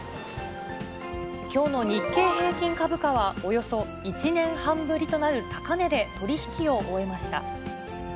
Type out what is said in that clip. きょうの日経平均株価は、およそ１年半ぶりとなる高値で取り引きを終えました。